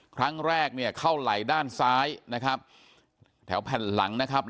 ครั้งแรกเนี่ยเข้าไหล่ด้านซ้ายนะครับแถวแผ่นหลังนะครับ